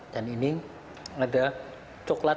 dan ini ada coklat